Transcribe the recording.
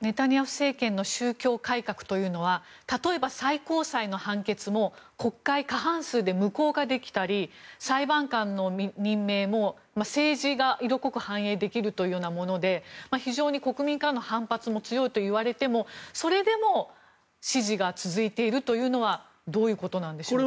ネタニヤフ政権の宗教改革というのは例えば、最高裁の判決も国会過半数で無効化できたり裁判官の任命も政治が色濃く反映できるというようなもので非常に国民からの反発も強いといわれてもそれでも支持が続いているというのはどういうことなんでしょうか？